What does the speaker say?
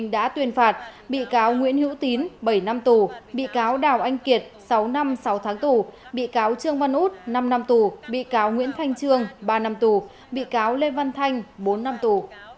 đã tuyên phạt bị cáo nguyễn hữu tín bảy năm tù bị cáo đào anh kiệt sáu năm sáu tháng tù bị cáo trương văn út năm năm tù bị cáo nguyễn thanh trương ba năm tù bị cáo lê văn thanh bốn năm tù